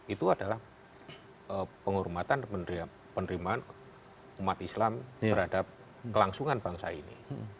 itu adalah penghormatan penerimaan umat islam terhadap kelangsungan bangsa ini